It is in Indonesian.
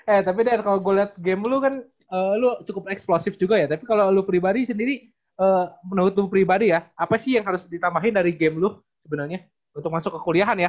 eh tapi deh kalau gue lihat game lu kan lu cukup eksplosif juga ya tapi kalau lo pribadi sendiri menurut lu pribadi ya apa sih yang harus ditambahin dari game loo sebenarnya untuk masuk ke kuliahan ya